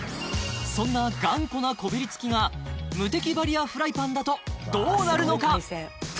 そんな頑固なこびりつきがムテキバリアフライパンだとどうなるのか？